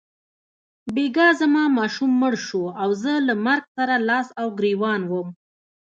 بیګا زما ماشوم مړ شو او زه له مرګ سره لاس او ګرېوان وم.